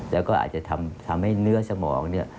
แล้วก็อาจจะทำให้เนื้อสมองเนี่ย